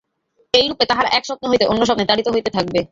এইরূপে তাহারা এক স্বপ্ন হইতে অন্য স্বপ্নে তাড়িত হইতে থাকিবে।